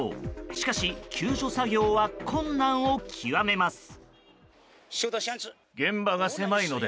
しかし、救助作業は困難を極めます。